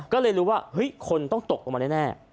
ก็เลยรู้ว่าเฮ้ยคนต้องตกลงมาแน่